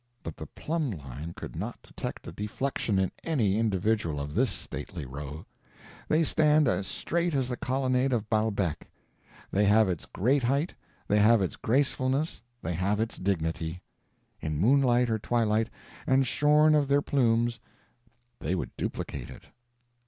But the plumb line could not detect a deflection in any individual of this stately row; they stand as straight as the colonnade of Baalbec; they have its great height, they have its gracefulness, they have its dignity; in moonlight or twilight, and shorn of their plumes, they would duplicate it.